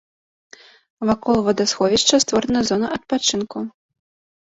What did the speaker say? Вакол вадасховішча створана зона адпачынку.